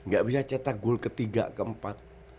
gak bisa cetak gol ketiga keempat